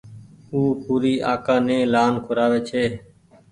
او پوري آڪآ ني لآن کورآوي ڇي